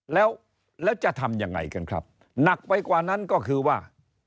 แล้วแล้วจะทำยังไงกันครับหนักไปกว่านั้นก็คือว่า